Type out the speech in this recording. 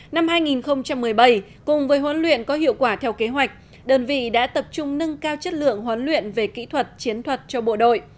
năm hai nghìn một mươi bảy cùng với huấn luyện có hiệu quả theo kế hoạch đơn vị đã tập trung nâng cao chất lượng huấn luyện về kỹ thuật chiến thuật cho bộ đội